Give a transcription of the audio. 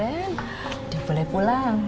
udah boleh pulang